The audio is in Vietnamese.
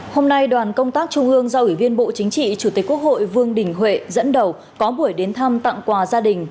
hôm nay đoàn công tác trung ương do ủy viên bộ chính trị chủ tịch quốc hội vương đình huệ dẫn đầu có buổi đến thăm tặng quà gia đình